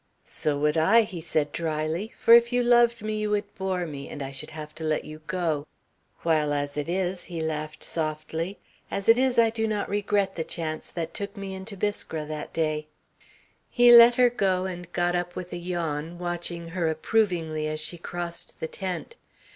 "So would I," he said drily, "for if you loved me you would bore me and I should have to let you go. While as it is" he laughed softly "as it is I do not regret the chance that took me into Biskra that day." He let her go and got up with a yawn, watching her approvingly as she crossed the tent.